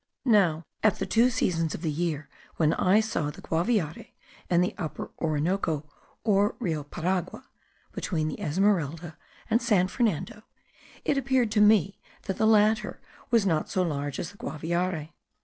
Now, at the two seasons of the year when I saw the Guaviare and the Upper Orinoco or Rio Paragua (between the Esmeralda and San Fernando), it appeared to me that the latter was not so large as the Guaviare.